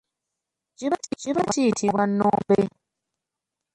Kiba kiyitibwa nnombe.